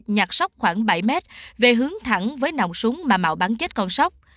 nhặt sóc khoảng bảy m về hướng thẳng với nòng súng mà mạo bắn chết con sóc